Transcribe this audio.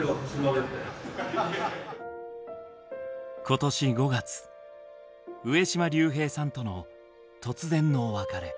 今年５月上島竜兵さんとの突然のお別れ。